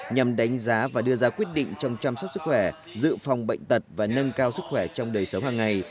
nhằm đánh giá và đưa ra quyết định trong chăm sóc sức khỏe giữ phòng bệnh tật và nâng cao sức khỏe trong đời sống hàng ngày